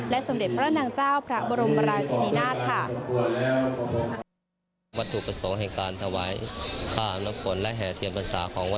สมเด็จพระนางเจ้าพระบรมราชินินาศค่ะ